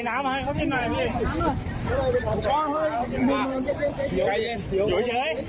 ช้องเฮ้ยอยู่เย็นอยู่เย็น